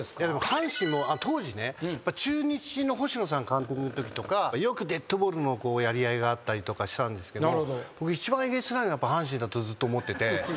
阪神も当時ね中日の星野さん監督のときとかよくデッドボールのやり合いがあったりとかしたんですけど僕一番えげつないのは阪神だとずっと思ってて。